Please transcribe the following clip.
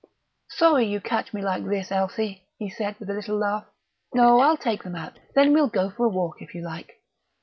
"Sorry you catch me like this, Elsie," he said, with a little laugh.... "No, I'll take them out; then we'll go for a walk, if you like...."